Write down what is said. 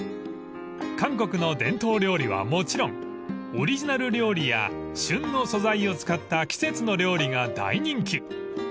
［韓国の伝統料理はもちろんオリジナル料理や旬の素材を使った季節の料理が大人気］